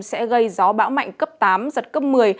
sẽ gây gió bão mạnh cấp tám giật cấp một mươi